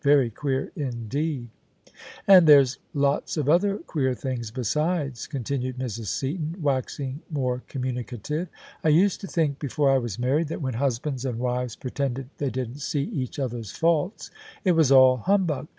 " Very queer indeed !" "And there's lots of other queer things besides," con tinued Mrs. Seaton, waxing more communicative: " I used to think, before I was married, that when husbands and wives pretended they didn't see each other's faults it was all humbug.